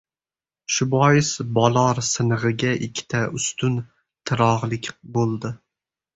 Shu bois, bolor sinig‘iga ikkita ustun tirog‘lik bo‘ldi.